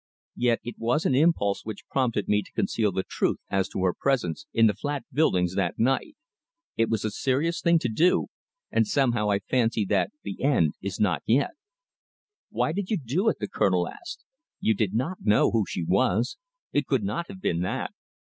Yet it was an impulse which prompted me to conceal the truth as to her presence in the flat buildings that night. It was a serious thing to do, and somehow I fancy that the end is not yet." "Why did you do it?" the Colonel asked. "You did not know who she was. It could not have been that."